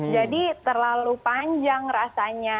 jadi terlalu panjang rasanya